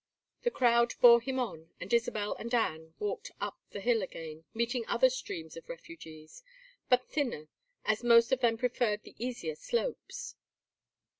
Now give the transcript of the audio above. The crowd bore him on and Isabel and Anne walked up the hill again, meeting other streams of refugees, but thinner, as most of them preferred the easier slopes.